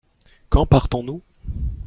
Quand partons-nous ?